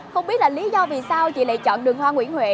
không biết là lý do vì sao chị lại chọn đường hoa nguyễn huệ